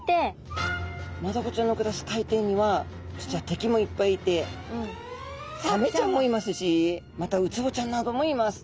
マダコちゃんの暮らす海底には実は敵もいっぱいいてサメちゃんもいますしまたウツボちゃんなどもいます。